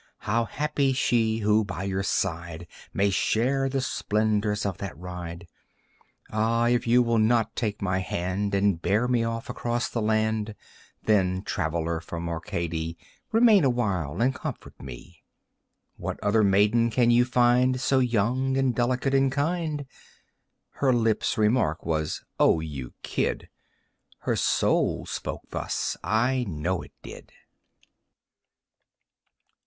How happy she who by your side May share the splendors of that ride! Ah, if you will not take my hand And bear me off across the land, Then, traveller from Arcady, Remain awhile and comfort me. What other maiden can you find So young and delicate and kind?" Her lips' remark was: "Oh, you kid!" Her soul spoke thus (I know it did).